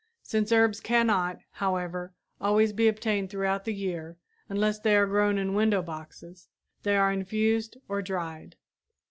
Since herbs cannot, however, always be obtained throughout the year, unless they are grown in window boxes, they are infused or dried.